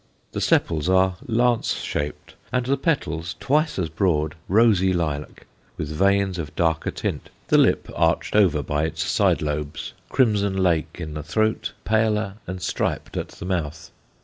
The sepals are lance shaped, and the petals, twice as broad, rosy lilac, with veins of darker tint; the lip, arched over by its side lobes, crimson lake in the throat, paler and striped at the mouth.